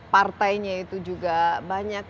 partainya itu juga banyak